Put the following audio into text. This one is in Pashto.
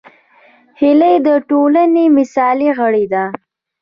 هیلۍ د ټولنې مثالي غړې ده